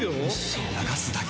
流すだけ。